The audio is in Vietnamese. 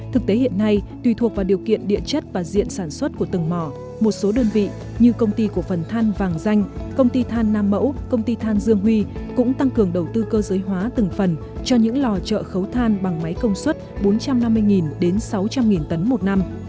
thực tế hiện nay tùy thuộc vào điều kiện địa chất và diện sản xuất của từng mỏ một số đơn vị như công ty của phần than vàng danh công ty than nam mẫu công ty than dương huy cũng tăng cường đầu tư cơ giới hóa từng phần cho những lò chợ khấu than bằng máy công suất bốn trăm năm mươi đến sáu trăm linh tấn một năm